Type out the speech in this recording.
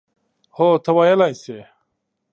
هو، ته ویلای شې.